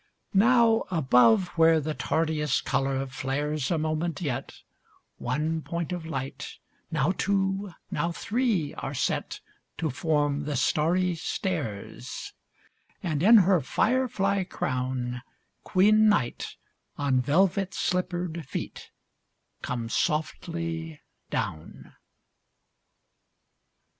Now above where the tardiest color flares a moment yet, One point of light, now two, now three are set To form the starry stairs,— And, in her fire fly crown, Queen Night, on velvet slippered feet, comes softly down.